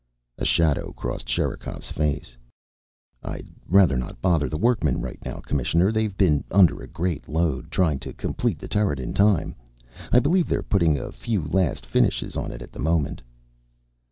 A shadow crossed Sherikov's face. "I'd rather not bother the workmen right now, Commissioner. They've been under a great load, trying to complete the turret in time. I believe they're putting a few last finishes on it at this moment."